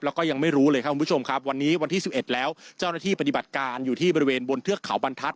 แล้วก็ยังไม่รู้เลยครับคุณผู้ชมครับวันนี้วันที่๑๑แล้วเจ้าหน้าที่ปฏิบัติการอยู่ที่บริเวณบนเทือกเขาบรรทัศน